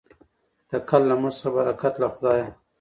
تکل له موږ څخه برکت له خدایه.